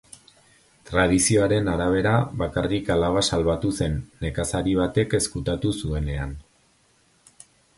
Tradizioaren arabera, bakarrik alaba salbatu zen, nekazari batek ezkutatu zuenean.